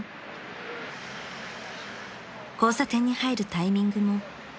［交差点に入るタイミングも］